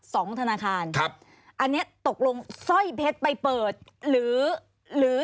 ธนาคารครับอันเนี้ยตกลงสร้อยเพชรไปเปิดหรือหรือ